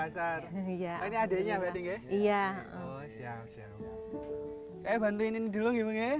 saya bantuin ini dulu ngi mung ya